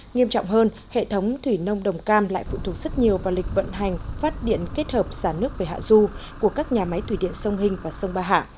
nghiêm trọng hơn hệ thống thủy nông đồng cam lại phụ thuộc rất nhiều vào lịch vận hành phát điện kết hợp xả nước về hạ du của các nhà máy thủy điện sông hình và sông ba hạ